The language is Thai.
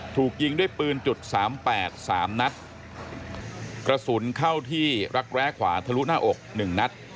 ถูกยิงด้วยปืนจุด๓๘๓นัดกระสุนเข้าที่รักแร้ขวาทะลุหน้าอก๑นัด